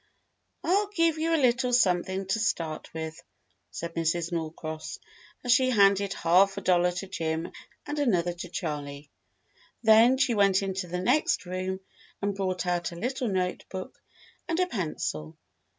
"I'll give you a little something to start with," said Mrs. Norcross, as she handed half a dollar to Jim and another to Charley. Then she went into the next room and brought out a little notebook and a pencil.